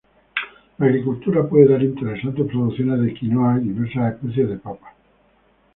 La agricultura puede dar interesantes producciones de quinoa y diversas especies de papas.